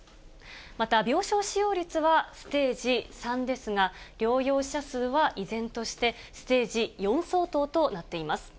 また病床使用率はステージ３ですが、療養者数は依然としてステージ４相当となっています。